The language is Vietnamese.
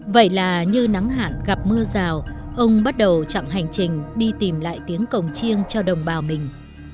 vậy là như nắng hạn gặp mưa rào ông bắt đầu chặng hành trình đi tìm lại tiếng cổng chiêng cho đồng bào mình